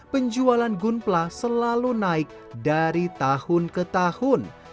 penjualan gunpla selalu naik dari tahun ke tahun